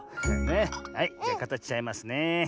はいじゃかたしちゃいますねえ。